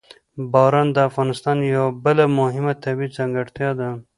باران د افغانستان یوه بله مهمه طبیعي ځانګړتیا ده.